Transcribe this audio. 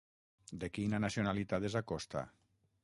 De quina nacionalitat és Acosta?